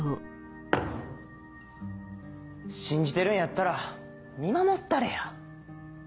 信じてるんやったら見守ったれや。